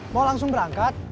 mau langsung berangkat